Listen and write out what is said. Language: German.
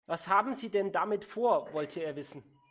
Was haben Sie denn damit vor?, wollte er wissen.